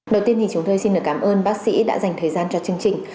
đầu tiên thì chúng tôi xin được cảm ơn bác sĩ đã dành thời gian cho chương trình